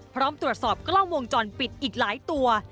พร้อมตรวจสอบกล้องวงจรปิดอีกหลายตัว